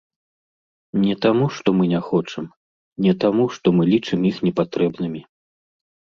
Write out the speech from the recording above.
Не таму, што мы не хочам, не таму, што мы лічым іх непатрэбнымі.